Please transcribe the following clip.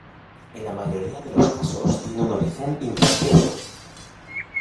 En la mayoría de los casos tiene un origen infeccioso.